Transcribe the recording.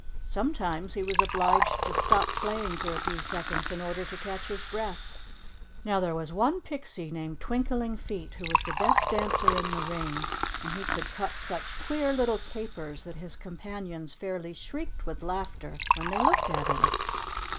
Sometimes he was obliged to stop playing for a few seconds in order to catch his breath. Now there was one pixie named Twinkling Feet who was the best dancer in the ring, and he could cut such queer little capers that his companions fairly shrieked with laughter when they looked at him.